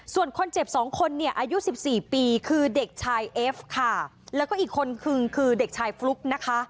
ส่วนคนเจ็บสองคนเนี่ยอายุสิบสี่ปีคือเด็กชายเอฟค่ะแล้วก็อีกคนคือคือเด็กชายฟลุ๊กนะคะ